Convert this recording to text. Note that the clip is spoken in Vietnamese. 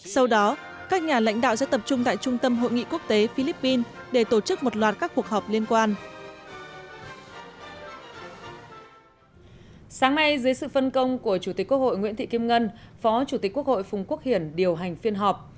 sau đó dưới sự phân công của chủ tịch quốc hội nguyễn thị kim ngân phó chủ tịch quốc hội phùng quốc hiển điều hành phiên họp